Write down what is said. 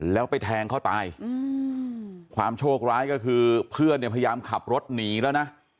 แล้วไปแทงเขาตายความโชคร้ายก็คือเพื่อนเนี่ยพยายามขับรถหนีแล้วนะ